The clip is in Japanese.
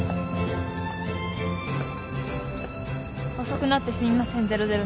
遅くなってすみません００９。